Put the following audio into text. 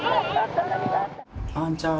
あんちゃん。